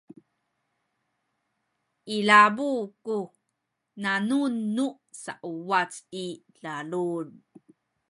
ilabu ku nanum nu sauwac i lalud